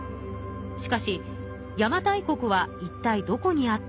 しかし邪馬台国はいったいどこにあったのか。